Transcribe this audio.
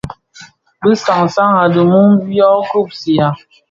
Bi san san a di mum dyō kpusiya.